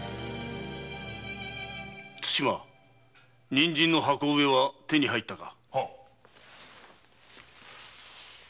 人参の箱植えは手に入ったか？